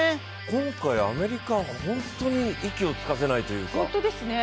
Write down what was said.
今回、アメリカ、本当に息をつかせないというかいいですね。